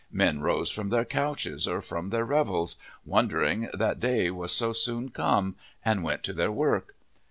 Men rose from their couches or from their revels, wondering that day was so soon come, and went to their work.